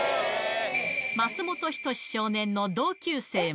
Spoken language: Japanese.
松本人志少年の同級生も。